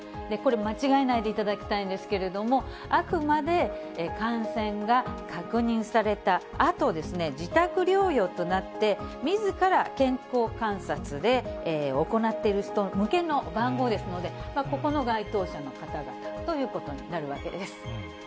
これ、間違えないでいただきたいんですけれども、あくまで感染が確認されたあとですね、自宅療養となって、みずから健康観察で行っている人向けの番号ですので、ここの該当者の方々ということになるわけです。